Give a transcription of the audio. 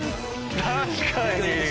確かに。